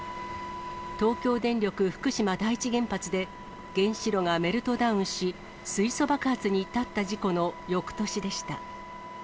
東京電力福島第一原発で、原子炉がメルトダウンし、水素爆発に至った事故のよくとしでした。